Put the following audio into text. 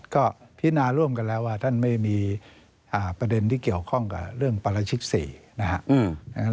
ก็พินาร่วมกันแล้วว่าท่านไม่มีประเด็นที่เกี่ยวข้องกับเรื่องปราชิก๔นะครับ